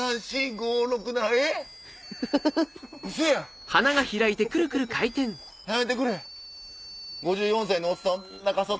５４歳のおっさんを